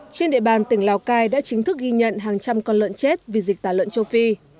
trên địa bàn tỉnh lào cai đã chính thức ghi nhận hàng trăm con lợn chết vì dịch tả lợn châu phi